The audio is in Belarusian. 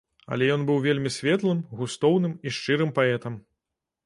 Але ён быў вельмі светлым, густоўным і шчырым паэтам.